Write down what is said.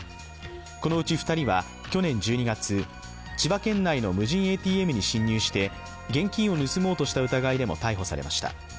このうち２人は去年１２月、千葉県内の無人ＡＴＭに侵入して現金を盗もうとした疑いでも逮捕されました。